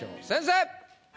先生！